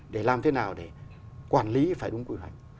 để làm thế nào để quản lý phải đúng quy hoạch